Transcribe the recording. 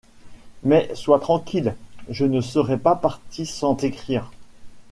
Mais sois tranquille, je ne serais pas parti sans t’écrire.